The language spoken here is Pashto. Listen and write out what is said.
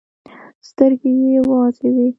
سترګې يې وازې وې.